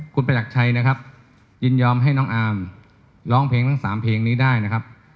คุณประหลักชัยนะครับยินยอมให้น้องอาร์มร้องเพลงทั้ง๓เพลงนี้ได้นะครับ